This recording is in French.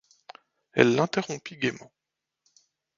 Elle l'interrompit gaiement.